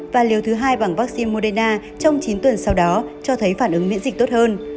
và liều thứ hai bằng vaccine moderna trong chín tuần sau đó cho thấy phản ứng miễn dịch tốt hơn